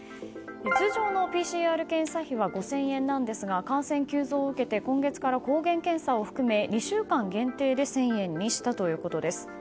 通常のＰＣＲ検査費は５０００円なんですが感染急増を受けて今月から抗原検査を含め２週間限定で１０００円にしたということです。